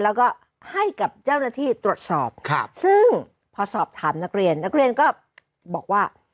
แล้วก็ให้กับเจ้าหน้าที่ตรวจสอบซึ่งพอสอบถามนักเรียนนักเรียนก็บอกว่า